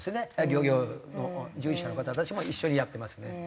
漁業従事者の方たちも一緒にやってますね。